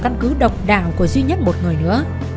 căn cứ độc đạo của duy nhất một người nữa